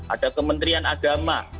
ada kementerian agama